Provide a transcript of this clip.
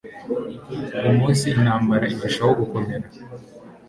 uwo munsi intambara irushaho gukomera